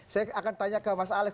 saya akan tanya ke mas alex